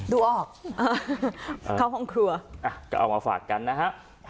ดูออกเข้าห้องครัวก็เอามาฝากกันนะฮะ